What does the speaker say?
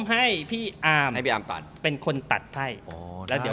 แต่ยังไม่เปิด